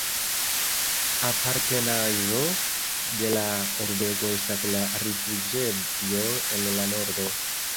Apartenaĵo de la urbego estas la rifuĝejo en la nordo.